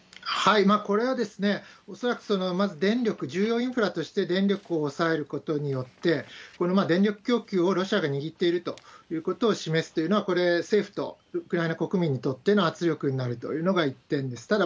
これは恐らくまず電力、重要インフラとして電力を抑えることによって、これ、電力供給をロシアが握っているということを示すというのは、これ、政府とウクライナ国民にとっての圧力になるというのが一点です。